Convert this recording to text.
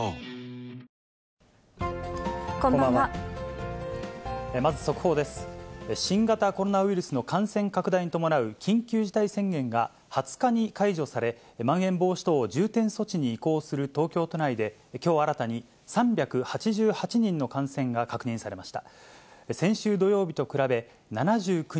しんがたころーのかんせんかくだいにともなう緊急事態宣言が２０日に解除され、まん延防止等重点措置に移行する東京都内で、きょう新たに３８８人の感染が確認されました。